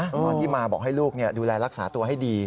ตอนที่มาบอกให้ลูกดูแลรักษาตัวให้ดี